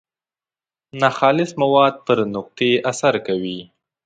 ناخالص مواد پر نقطې اثر کوي.